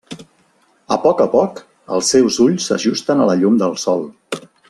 A poc a poc, els seus ulls s'ajusten a la llum del sol.